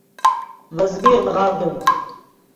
ڤے زبیغ نغاڤڈیم